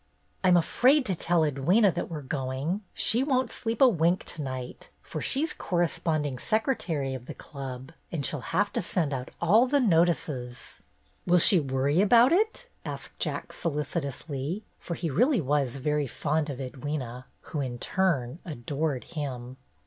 "I'm afraid to tell Edwyna that we're going. She won't sleep a wink to night, for she's Corresponding Secretary of the Club and she'll have to send out all the notices." HISTORY CLUB VISITS NEW YORK 237 ''Will she worry about it?" asked Jack, solicitously, for he was really very fond of Edwyna, who, in turn, adored him.